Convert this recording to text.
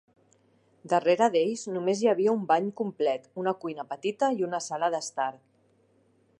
Darrere d'ells només hi havia un bany complet, una cuina petita i una sala d'estar.